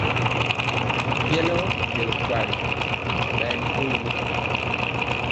Jɛlɔ ɓa nɛ bikwagi ɓɛ ɓaani koyili.